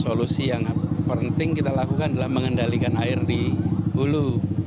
solusi yang penting kita lakukan adalah mengendalikan air di hulu